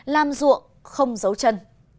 làm ruộng không giấu chân